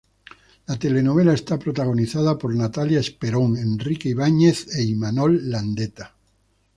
La telenovela está protagonizada por Natalia Esperón, Enrique Ibáñez e Imanol Landeta.